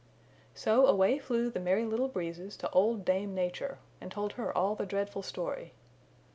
So away flew the Merry Little Breezes to Old Dame Nature and told her all the dreadful story.